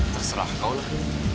terserah kau lah